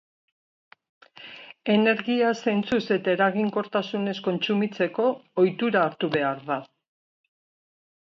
Energia zentzuz eta eraginkortasunez kontsumitzeko ohitura hartu behar da.